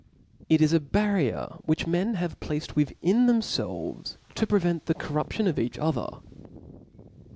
It is a barrier which men have placed within themfelves to prevent the corruption of each other.